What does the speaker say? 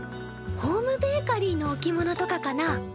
ホームベーカリーの置物とかかな？